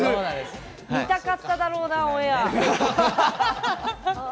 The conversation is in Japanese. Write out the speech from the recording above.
見たかっただろうなオンエア。